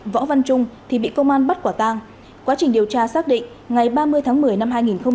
võ văn trung thì bị công an bắt quả tang quá trình điều tra xác định ngày ba mươi tháng một mươi năm hai nghìn hai mươi ba